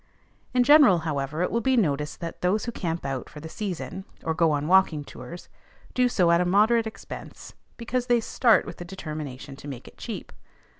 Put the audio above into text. In general, however, it will be noticed that those who camp out for the season, or go on walking tours, do so at a moderate expense because they start with the determination to make it cheap.